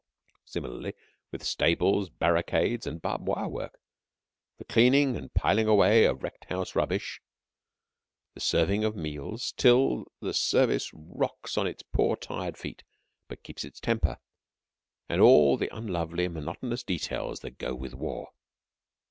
Similarly with stables, barricades, and barbed wire work, the clearing and piling away of wrecked house rubbish, the serving of meals till the service rocks on its poor tired feet, but keeps its temper; and all the unlovely, monotonous details that go with war.